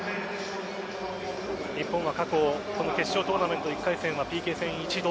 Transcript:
日本は過去この決勝トーナメント１回戦はＰＫ戦、一度。